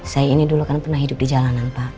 saya ini dulu kan pernah hidup di jalanan pak